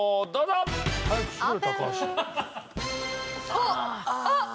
あっ！